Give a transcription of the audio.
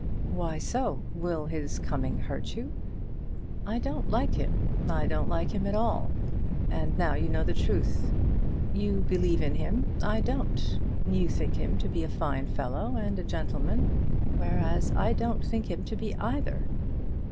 "Why so? Will his coming hurt you?" "I don't like him. I don't like him at all; and now you know the truth. You believe in him; I don't. You think him to be a fine fellow and a gentleman, whereas I don't think him to be either."